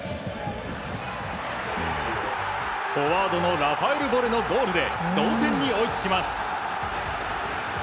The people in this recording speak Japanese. フォワードのラファエル・ボレのシュートでゴールし、同点に追いつきます。